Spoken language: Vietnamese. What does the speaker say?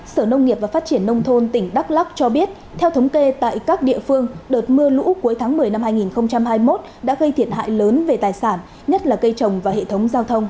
sở nông nghiệp và phát triển nông thôn tỉnh đắk lắc cho biết theo thống kê tại các địa phương đợt mưa lũ cuối tháng một mươi năm hai nghìn hai mươi một đã gây thiệt hại lớn về tài sản nhất là cây trồng và hệ thống giao thông